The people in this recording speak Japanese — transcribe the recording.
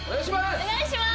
お願いします。